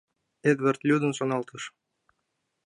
— Эдвард лӱдын шоналтыш.